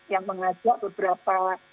yang mengajak beberapa